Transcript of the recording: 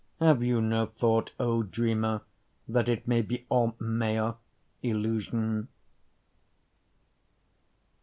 Have you no thought O dreamer that it may be all maya, illusion?